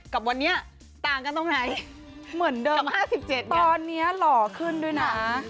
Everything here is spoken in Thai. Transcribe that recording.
กับวันนี้ต่างกันตรงไหนเหมือนเดิม๕๗ตอนนี้หล่อขึ้นด้วยนะ